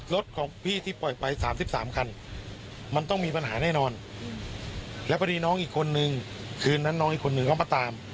รถของพี่ที่ปล่อยไป๓๓คันมันต้องมีปัญหาแน่นอนแล้วพอดีน้องอีกคนนึงคืนนั้นน้องอีกคนนึงเขามาตาม